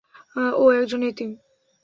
ও একজন এতিম।